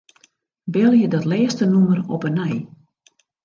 Belje dat lêste nûmer op 'e nij.